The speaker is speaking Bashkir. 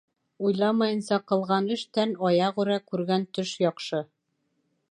Уйламайынса ҡылған эштән аяғүрә күргән төш яҡшы.